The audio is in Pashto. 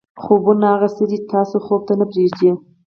خوبونه هغه څه دي چې تاسو خوب ته نه پرېږدي.